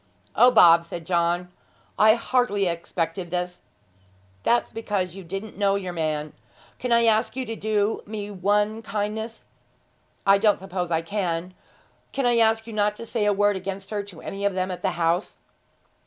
'O, Bob,' said John; 'I hardly expected this!' 'That's because you didn't know your man. Can I ask you to do me one kindness? I don't suppose I can. Can I ask you not to say a word against her to any of them at home?'